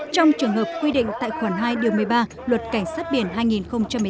trong trường hợp quy định tại khoản hai điều một mươi ba luật cảnh sát biển hai nghìn một mươi tám